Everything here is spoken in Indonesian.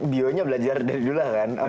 bionya belajar dari dulu lah kan